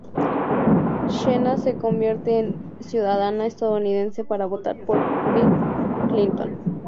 Sheena se convierte en ciudadana estadounidense para votar por Bill Clinton.